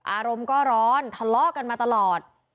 อารมณ์ก็ร้อนทะเลาะกันมาตลอด